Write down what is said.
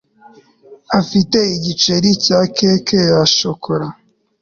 afite igice cya cake ya shokora